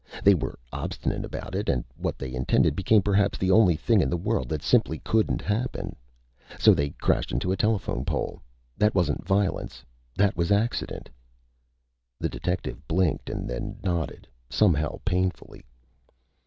They were obstinate about it, and what they intended became perhaps the only thing in the world that simply couldn't happen. So they crashed into a telephone pole. That wasn't violence. That was accident." The detective blinked, and then nodded, somehow painfully.